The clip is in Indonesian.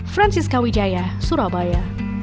francis kawijaya surabaya